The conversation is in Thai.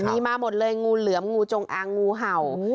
มีมาหมดเลยงูเหลือมงูจงอางงูเห่า